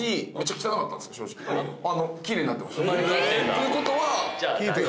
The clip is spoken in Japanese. ということは。